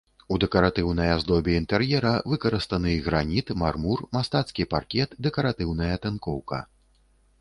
У дэкаратыўнай аздобе інтэр'ера выкарыстаны граніт, мармур, мастацкі паркет, дэкаратыўная тынкоўка.